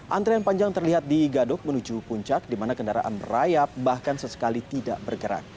antrian panjang terlihat di gadok menuju puncak di mana kendaraan merayap bahkan sesekali tidak bergerak